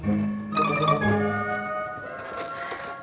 sampai jumpa lagi